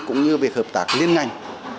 cũng như việc hợp tác liên ngành